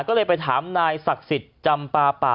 ก็เลยไปถามนายศักดิ์สิทธิ์จำปาป่า